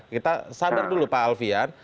kita sadar dulu pak alfian